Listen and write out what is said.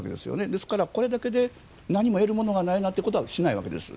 ですから、これだけで何も得るものがないなということはしないわけです。